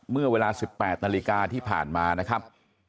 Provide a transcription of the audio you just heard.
เมื่อเวลา๑๘นาฬิกาที่ผ่านมานะครับ